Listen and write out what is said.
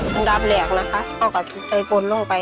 มันดรามแหลกเข้ากับไหมใส้บนลงไป